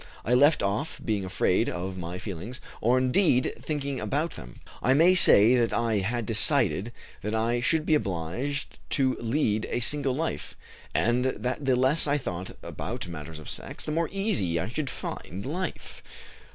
I left off being afraid of my feelings, or, indeed, thinking about them. I may say that I had decided that I should be obliged to lead a single life, and that the less I thought about matters of sex, the more easy I should find life.